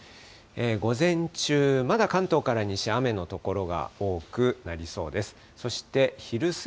午前中、まだ関東から西、雨の所が多くなりそうです。